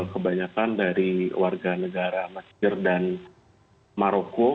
kebanyakan dari warga negara mesir dan maroko